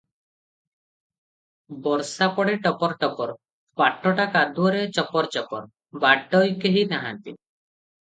ବର୍ଷା ପଡ଼େ ଟପର ଟପର, ବାଟଟା କାଦୁଅରେ ଚପର ଚପର, ବାଟୋଇ କେହି ନାହାନ୍ତି ।